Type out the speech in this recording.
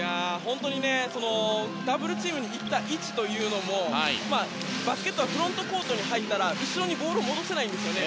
ダブルチームに行った位置というのもバスケットはフロントコートに入ったら後ろにボールを戻せないんですね。